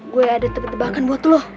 gue ada tebak tebakan buat lo